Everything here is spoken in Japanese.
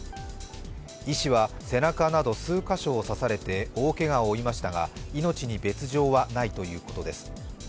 医師は背中など数カ所を刺されて大けがを負いましたが、命に別状はないということです。